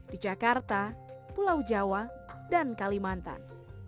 di jakarta pulau jawa dan kalimantan